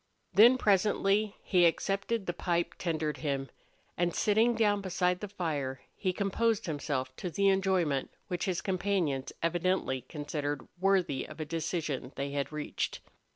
Then, presently, he accepted the pipe tendered him, and, sitting down beside the fire, he composed himself to the enjoyment which his companions evidently considered worthy of a decision they had reached.